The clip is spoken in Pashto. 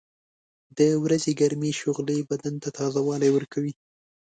• د ورځې ګرمې شغلې بدن ته تازهوالی ورکوي.